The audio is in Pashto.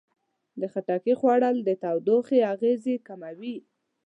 د خټکي خوړل د تودوخې اغېزې کموي.